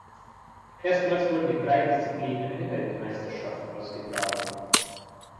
Erstmals wurden in drei Disziplinen eine Weltmeisterschaft ausgetragen.